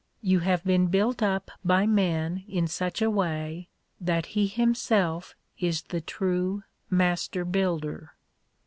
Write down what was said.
You have been built up by men in such a way, that he himself is the true Master builder.